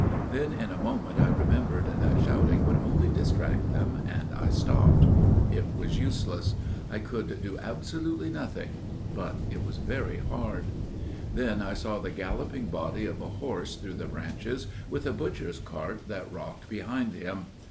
Then in a moment I remembered that shouting would only distract them, and I stopped. It was useless. I could do absolutely nothing. But it was very hard. "Then I saw the galloping body of a horse through the branches, with a butcher's cart that rocked behind him.